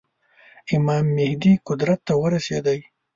امام مهدي قدرت ته ورسېدی.